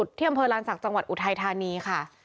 ที่องค์แหมิมเผลารันสักจังหวัดอุทัยธานีค่ะ